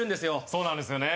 そうなんですよね。